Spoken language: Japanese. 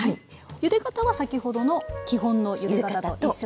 ゆで方は先ほどの基本のゆで方と一緒ですね。